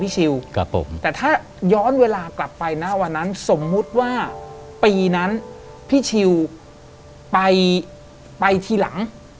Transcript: ชิวแต่ถ้าย้อนเวลากลับไปนะวันนั้นสมมุติว่าปีนั้นพี่ชิวไปไปทีหลัง